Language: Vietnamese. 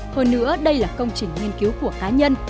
hơn nữa đây là công trình nghiên cứu của cá nhân